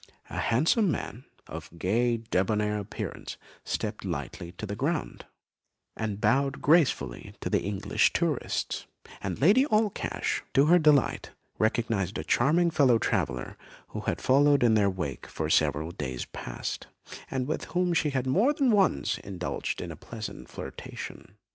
A handsome man, of gay débonnaire appearance, stepped lightly to the ground, and bowed gracefully to the English tourists; and Lady Allcash, to her delight, recognised a charming fellow traveller who had followed in their wake for several days past, and with whom she had more than once indulged in a pleasant flirtation.